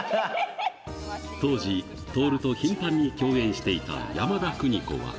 当時、徹と頻繁に共演していた山田邦子は。